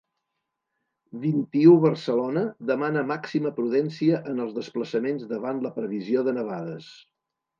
Vint-i-u – Barcelona demana ‘màxima prudència’ en els desplaçaments davant la previsió de nevades.